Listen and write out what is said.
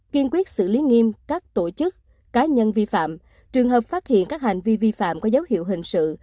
kiên quyết xử lý nghiêm các tổ chức cá nhân vi phạm trường hợp phát hiện các hành vi vi phạm có dấu hiệu hình sự